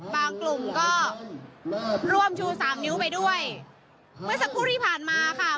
กลุ่มก็ร่วมชูสามนิ้วไปด้วยเมื่อสักครู่ที่ผ่านมาค่ะ